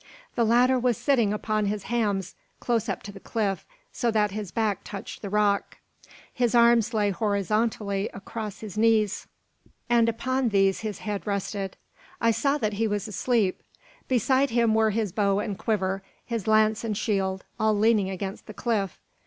The latter was sitting upon his hams, close up to the cliff, so that his back touched the rock. His arms lay horizontally across his knees, and upon these his head rested. I saw that he was asleep. Beside him were his bow and quiver, his lance and shield, all leaning against the cliff.